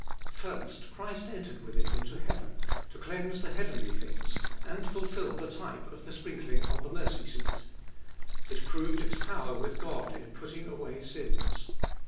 First, Christ entered with it into heaven, to cleanse the heavenly things, and fulfil the type of the sprinkling on the mercy seat. It proved its power with God in putting away sins.